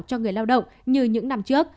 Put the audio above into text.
cho người lao động như những năm trước